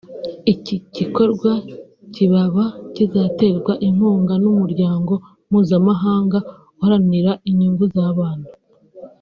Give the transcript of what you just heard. Iki gikorwa kibaba kizaterwa inkunga n’Umuryango mpuzamahanga uharanira inyungu z’abana